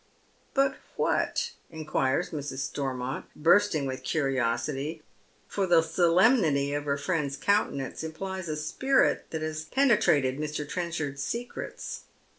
" But what ?" inquires Mrs. StoiTnont, bursting with curiosity, for the solemnity of her fiiend's countenance implies a spirit that has penetrated Mr. Trenchard's secrets.